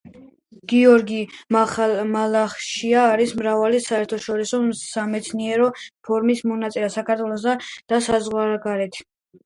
გიორგი მალაშხია არის მრავალი საერთაშორისო სამეცნიერო ფორუმის მონაწილე საქართველოში და საზღვარგარეთ.